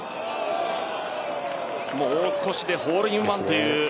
もう少しでホールインワンという。